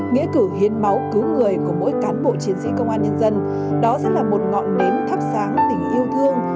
nghĩa cử hiến máu cứu người của mỗi cán bộ chiến sĩ công an nhân dân đó sẽ là một ngọn nến thắp sáng tình yêu thương